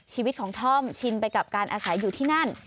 ชีวิตของท่อมชินไปกับการอาศัยอยู่ที่นั่น